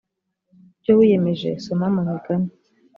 ku byo wiyemeje soma mu migani